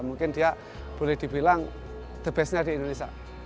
mungkin dia boleh dibilang the best nya di indonesia